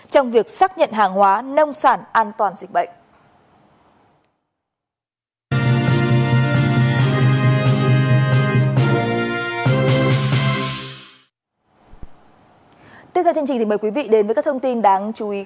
trong việc xác nhận hàng hóa nông sản an toàn dịch bệnh